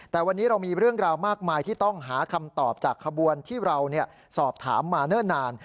แต่วันนี้เรามีเรื่องราวมากมายที่ต้องหาคำตอบจากขบวนที่เราสอบถามมาเนิ่นนาน